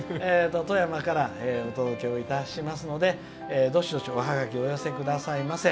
富山からお届けをしますのでどしどしおハガキお寄せくださいませ。